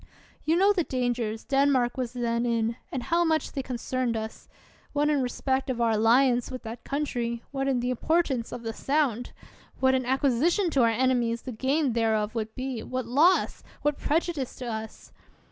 You know the dangers Denmark was then in, and how much they concerned us; what in re spect of our alliance with that country, what in the importance of the Sound; what an acquisi tion to our enemies the gain thereof would be, what loss, what prejudice to us